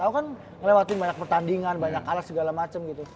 aku kan ngelewatin banyak pertandingan banyak kalah segala macem gitu